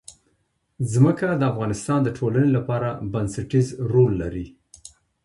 ځمکه د افغانستان د ټولنې لپاره بنسټيز رول لري.